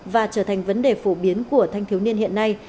và trở thành vấn đề phổ biến của thanh thiếu niên hiện nay